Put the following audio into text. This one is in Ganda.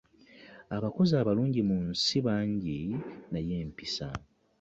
Abakoazi abalungi munsi banji naye empiisa.